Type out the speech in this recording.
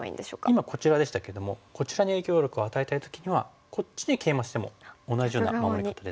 今こちらでしたけどもこちらに影響力を与えたい時にはこっちにケイマしても同じような守り方ですね。